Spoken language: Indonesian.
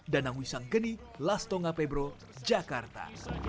danang wisang geni lastonga pebro jakarta